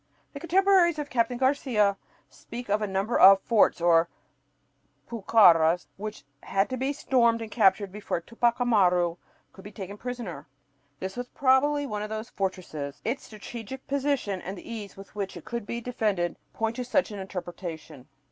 The contemporaries of Captain Garcia speak of a number of forts or pucarás which had to be stormed and captured before Tupac Amaru could be taken prisoner. This was probably one of those "fortresses." Its strategic position and the ease with which it could be defended point to such an interpretation.